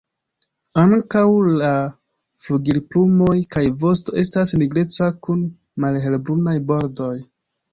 Ankaŭ la flugilplumoj kaj vosto estas nigreca kun malhelbrunaj bordoj.